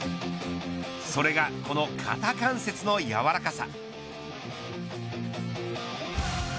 それがこの肩関節のやわらかさ。